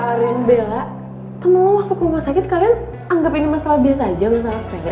harian bella temen lo masuk rumah sakit kalian anggap ini masalah biasa aja masalah sepegak gitu